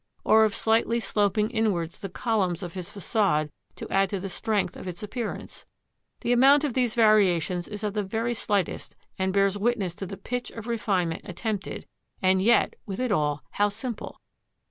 Or of slightly sloping inwards the columns of his facade to add to the strength of its appearance? The amount of these variations is of the very slightest and bears witness to the pitch of refinement attempted. And yet, with it all, how simple!